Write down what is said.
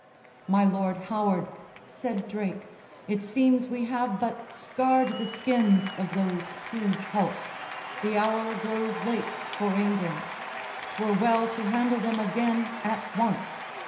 "My Lord Howard," Said Drake, "it seems we have but scarred the skins Of those huge hulks: the hour grows late for England. 'Twere well to handle them again at once."